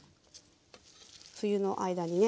冬の間にね